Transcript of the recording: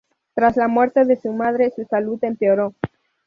Tras la muerte de su madre, su salud empeoró.